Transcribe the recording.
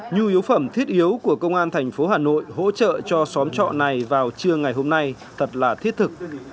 nhu yếu phẩm thiết yếu của công an thành phố hà nội hỗ trợ cho xóm trọ này vào trưa ngày hôm nay thật là thiết thực